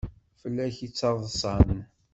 Fell-ak i ttaḍsan.